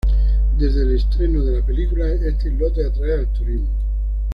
Desde el estreno de la película, este islote atrae al turismo.